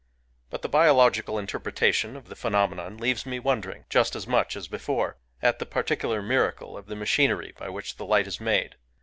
But the biological interpretation of the phenomenon leaves me wondering, just as much as before, at the particular miracle of the machinery by which the Digitized by Googk i68 FIREFLIES light is made.